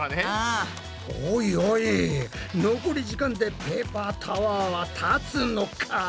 おいおい残り時間でペーパータワーは立つのか？